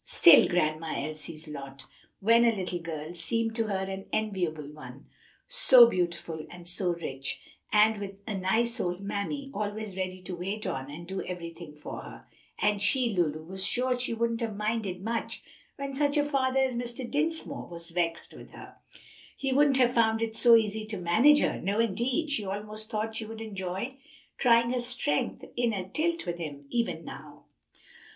Still Grandma Elsie's lot, when a little girl, seemed to her an enviable one, so beautiful and so rich, and with a nice old mammy always ready to wait on and do everything for her; and she (Lulu) was sure she wouldn't have minded much when such a father as Mr. Dinsmore was vexed with her; he wouldn't have found it so easy to manage her; no indeed! She almost thought she should enjoy trying her strength in a tilt with him even now.